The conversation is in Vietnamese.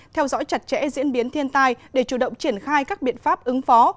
theo dõi chặt chẽ diễn biến thiên tai để chủ động triển khai các biện pháp ứng phó